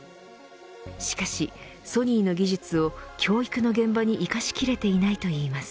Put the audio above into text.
しかしソニーの技術を教育の現場に生かしきれていないといいます。